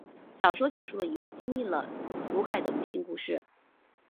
小说讲述了一位经历了土改的女性的故事。